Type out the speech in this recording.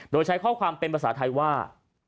โดยใช้ข้อความเป็นภาษาไทยว่า